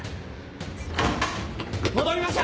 戻りました！